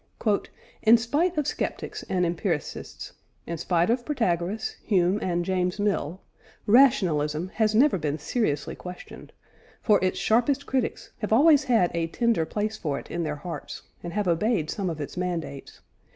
"In spite of sceptics and empiricists, in spite of Protagoras, Hume, and James Mill, rationalism has never been seriously questioned, for its sharpest critics have always had a tender place for it in their hearts, and have obeyed some of its mandates.